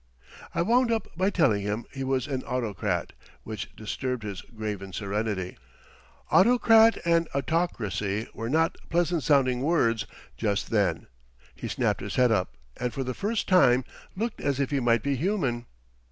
I wound up by telling him he was an autocrat; which disturbed his graven serenity. Autocrat and autocracy were not pleasant sounding words just then. He snapped his head up, and for the first time looked as if he might be human.